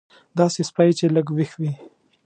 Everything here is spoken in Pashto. داسې سپی چې لږ وېښ وي.